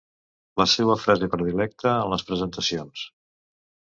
La seua frase predilecta en les presentacions.